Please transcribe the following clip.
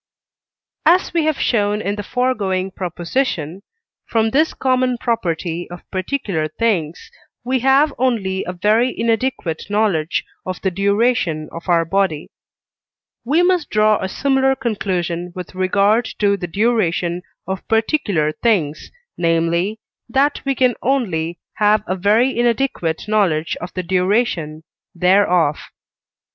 As we have shown in the foregoing proposition, from this common property of particular things, we have only a very inadequate knowledge of the duration of our body; we must draw a similar conclusion with regard to the duration of particular things, namely, that we can only have a very inadequate knowledge of the duration thereof.